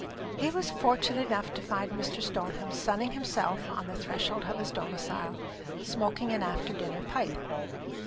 He was fortunate enough to find Mr. Stoneham sunning himself on the threshold of his domicile, smoking an after dinner pipe.